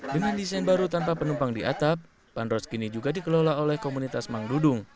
dengan desain baru tanpa penumpang di atap bandros kini juga dikelola oleh komunitas mang dudung